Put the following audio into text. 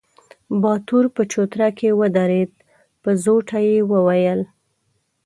باتور په چوتره کې ودرېد، په زوټه يې وويل: